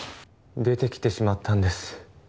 出てきてしまったんです